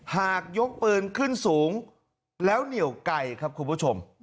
หากยกปืนขึ้นสูงแล้วเหนียวไกลครับคุณผู้ชม